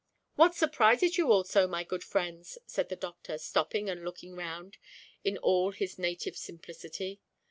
"What surprises you all so, my good friends," said the doctor, stopping and looking round in all his native simplicity.